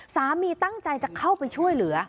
สามีตั้งใจจะเข้าไปช่วยเหลือ